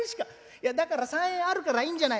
「いやだから３円あるからいいんじゃない。